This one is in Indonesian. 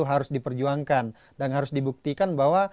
harus diperjuangkan dan harus dibuktikan bahwa